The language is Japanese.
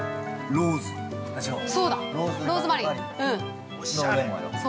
ローズマリー。